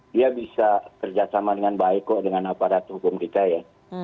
dia bisa kerjasama dengan baik kok dengan aparat hukum kita ya